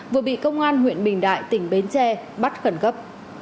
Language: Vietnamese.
vừa bị công an huyện bình đại tỉnh bến tre bắt khẩn cấp